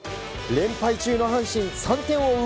連敗中の阪神３点を追う